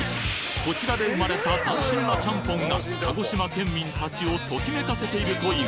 こちらで生まれた斬新なちゃんぽんが鹿児島県民達をときめかせていると言う。